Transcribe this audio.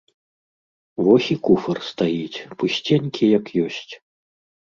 Вось і куфар стаіць, пусценькі, як ёсць.